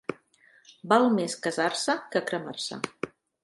Val més casar-se que cremar-se.